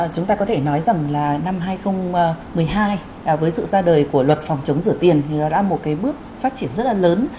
chúng ta có thể nói rằng là năm hai nghìn một mươi hai với sự ra đời của luật phòng chống rửa tiền thì nó đã là một cái bước phát triển rất là lớn